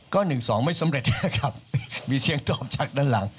ก็๑๒ไม่สำเร็จนะครับมีเสียงตอบจากด้านหลัง